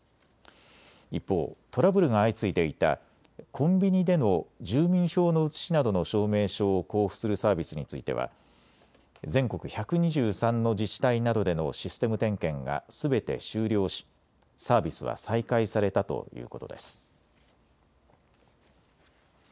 一方、トラブルが相次いでいたコンビニでの住民票の写しなどの証明証を交付するサービスについては全国１２３の自治体などでのシステム点検がすべて終了しサービスは再開されたということです。